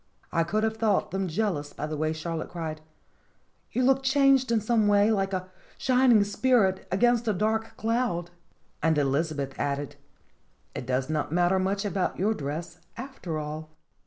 I could have thought them jealous by the way Charlotte cried: "You look changed in some way like a shining spirit against a dark cloud!" And Elizabeth added : "It does not matter much about your dress, after all